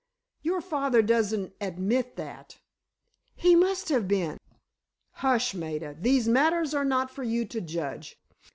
"Your father doesn't admit that——" "He must have been." "Hush, Maida. These matters are not for you to judge.